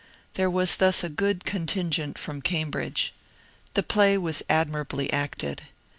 There was thus a good contingent from Cambridge. The play was admirably acted.